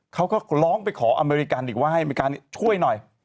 เขาก็ร้องไปขออเมริกันอีกว่าให้อเมริกาช่วยหน่อย